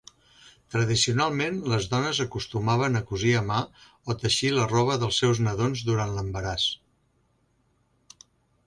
Tradicionalment, les dones acostumaven a cosir a mà o teixir la roba dels seus nadons durant l'embaràs.